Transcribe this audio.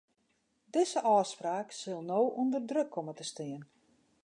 Dizze ôfspraak sil no ûnder druk komme te stean.